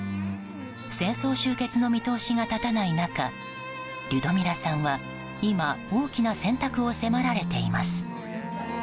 戦争終結の見通しが立たない中リュドミラさんは今大きな選択を迫られています。